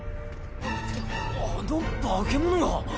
あっあの化け物が？